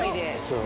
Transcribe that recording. そう。